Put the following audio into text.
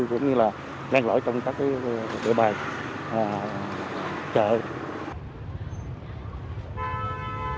cũng như là ngăn lỗi trong các địa bàn chợ